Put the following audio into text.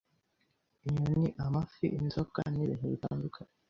inyoni amafi inzoka nibintu bitandukanye